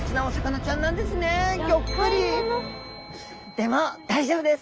でも大丈夫です。